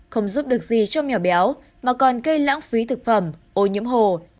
không giúp được gì cho mèo béo mà còn gây lãng phí thực phẩm ô nhiễm hồ